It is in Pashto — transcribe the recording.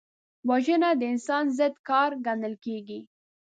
وژنه د انسان ضد کار ګڼل کېږي